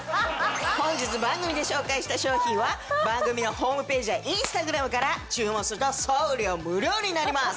本日番組で紹介した商品は番組のホームページやインスタグラムから注文すると送料無料になります。